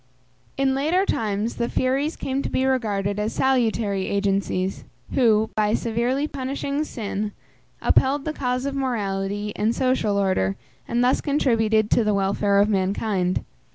In later times the Furies came to be regarded as salutary agencies, who, by severely punishing sin, upheld the cause of morality and social order, and thus contributed to the welfare of mankind.